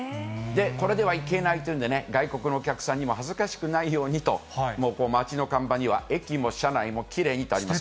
これではいけないというんでね、外国のお客さんにも恥ずかしくないようにと、街の看板には、駅も車内もきれいにとあります。